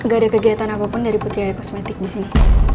gak ada kegiatan apapun dari putri ayu kosmetik disini